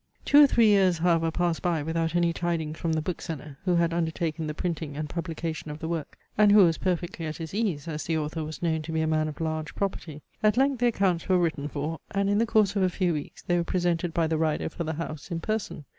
Two or three years however passed by without any tidings from the bookseller, who had undertaken the printing and publication of the work, and who was perfectly at his ease, as the author was known to be a man of large property. At length the accounts were written for; and in the course of a few weeks they were presented by the rider for the house, in person.